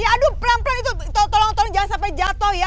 aduh pelan pelan itu tolong tolong jangan sampai jatuh ya